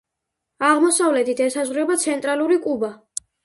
აღმოსავლეთით ესაზღვრება ცენტრალური კუბა.